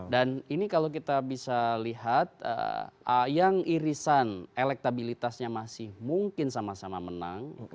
dan ini kalau kita bisa lihat yang irisan elektabilitasnya masih mungkin sama sama menang